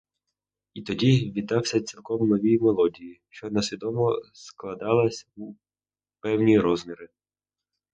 І тоді віддався цілком новій мелодії, що несвідомо складалась у певні розміри.